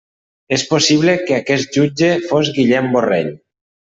És possible que aquest jutge fos Guillem Borrell.